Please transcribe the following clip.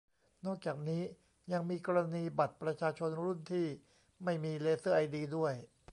นอกจากนี้ ยังมีกรณีบัตรประชาชนรุ่นที่ไม่มีเลเซอร์ไอดีด้วย